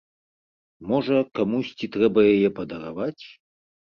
Можа, камусьці трэба яе падараваць.